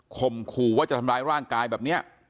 มขู่ว่าจะทำร้ายร่างกายแบบนี้